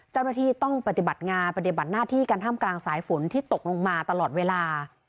เจ้าหน้าที่ต้องปฏิบัติงานปฏิบัติหน้าที่การท่ามกลางสายฝนที่ตกลงมาตลอดเวลา